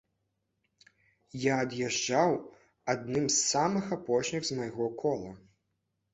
Я ад'язджаў адным з самых апошніх з майго кола.